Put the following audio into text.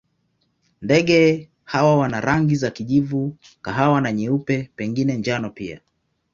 Ndege hawa wana rangi za kijivu, kahawa na nyeupe, pengine njano pia.